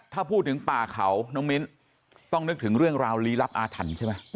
ถ้าพูดถึงป่าเขาน้องมิ้นต้องนึกถึงเรื่องราวลี้ลับอาถรรพ์ใช่ไหม